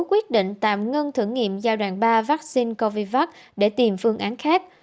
quyết định tạm ngừng thử nghiệm giai đoạn ba vaccine covivac để tìm phương án khác